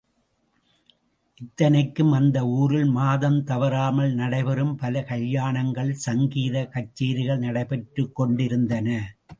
இத்தனைக்கும் அந்த ஊரில் மாதம் தவறாமல் நடைபெறும் பல கல்யாணங்களில் சங்கீத கச்சேரிகள் நடைபெற்றுகொண்டிருந்தன.